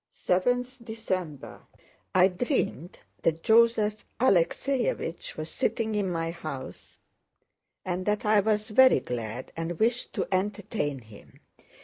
7th December I dreamed that Joseph Alexéevich was sitting in my house, and that I was very glad and wished to entertain him.